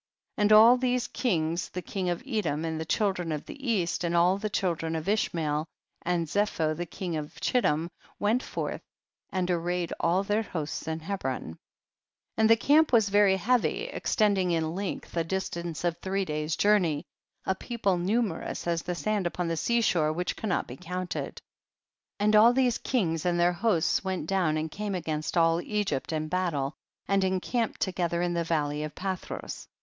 16. And ail these kings, the king of Edom and the children of the east, and all the children of Ishmael, and Zepho the king of Chittim went forth and arrayed all their hosts in Hebron. THE BOOK OF JASIIER. 203 17. And the camp was very heavy, extending in length a distance of three days' journey, a people nume rous as the sand upon the sea shore which catuiot be counted. 18. And all these kings and their hosts went down and came against all Egypt in battle, and encamped to gether in the valley of Palhros.